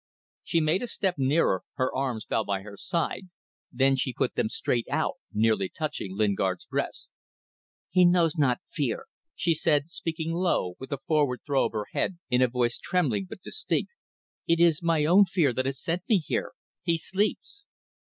She made a step nearer, her arms fell by her side, then she put them straight out nearly touching Lingard's breast. "He knows not fear," she said, speaking low, with a forward throw of her head, in a voice trembling but distinct. "It is my own fear that has sent me here. He sleeps."